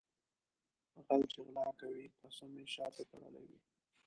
غل چې غلا کوي قسم یې شاته تړلی وي.